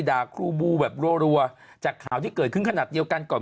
ด่าครูบูแบบรัวจากข่าวที่เกิดขึ้นขนาดเดียวกันก่อน